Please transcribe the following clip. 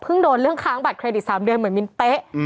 โดนเรื่องค้างบัตรเครดิต๓เดือนเหมือนมินเป๊ะ